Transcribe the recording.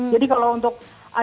jadi kalau untuk